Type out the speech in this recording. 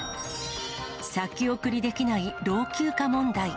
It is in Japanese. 先送りできない老朽化問題。